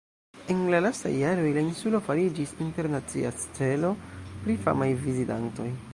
En la lastaj jaroj, la insulo fariĝis internacia celo pri famaj vizitantoj.